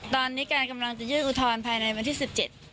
ตอนนี้การกำลังจะยืดอุทรภายในวันที่๑๗